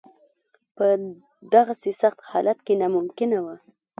په دغسې سخت حالت کې ناممکنه وه.